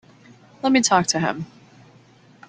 Let me talk to him.